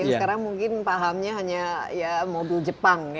yang sekarang mungkin pahamnya hanya ya mobil jepang ya